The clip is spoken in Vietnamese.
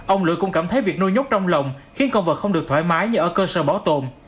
ông lữ cũng cảm thấy việc nuôi nhốt trong lòng khiến con vật không được thoải mái như ở cơ sở bảo tồn